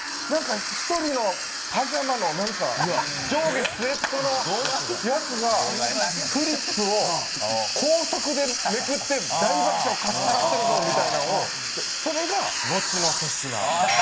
１人のパジャマの上下スウェットのヤツがフリップを高速でめくって大爆笑かっさらってるぞみたいなのをそれがのちの粗品。